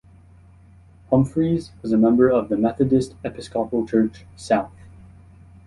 Humphreys was a member of the Methodist Episcopal Church, South.